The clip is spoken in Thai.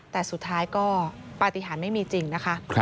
แต่สุดท้ายก็ปฏิหารไม่มีจริงนะคะ